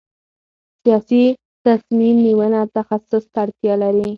سیاسي تصمیم نیونه تخصص ته اړتیا لري